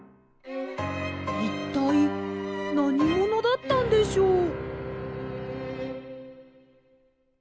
いったいなにものだったんでしょう？